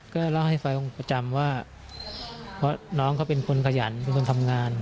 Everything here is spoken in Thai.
ก็เล่าให้ฟังประจำว่าเพราะน้องเขาเป็นคนขยันเป็นคนทำงาน